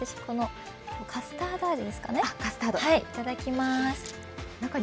カスタード味ですかね。